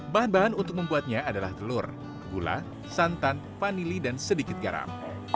bahan bahan untuk membuatnya adalah telur gula santan vanili dan sedikit garam